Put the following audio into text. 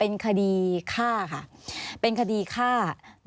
อันดับสุดท้าย